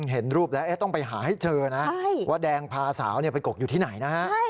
เห็นรูปแล้วต้องไปหาให้เจอนะว่าแดงพาสาวไปกบอยู่ที่ไหนนะฮะ